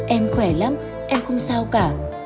em khỏe lắm em không sao cả